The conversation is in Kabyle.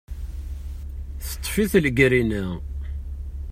Teṭṭef-it legrina.